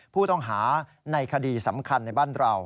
ผู้ต้องหาในคดีสำคัญในบ้านเรา